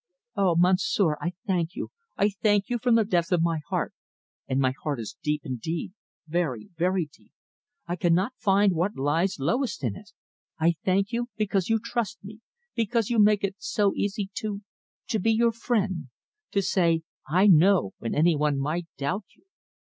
"Oh, Monsieur, I thank you, I thank you from the depth of my heart; and my heart is deep indeed, very, very deep I cannot find what lies lowest in it! I thank you, because you trust me, because you make it so easy to to be your friend; to say 'I know' when any one might doubt you.